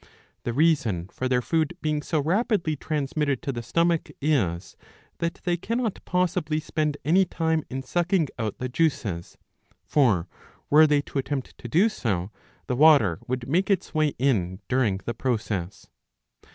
The reason for their food being so rapidly transmitted to the stomach is that they cannot possibly spend any time in sucking out the juices ; for were they to attempt to do so, the water would make its way in during the process.